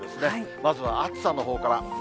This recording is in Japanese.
まずは暑さのほうから。